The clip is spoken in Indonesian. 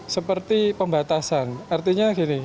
seperti pembatasan artinya gini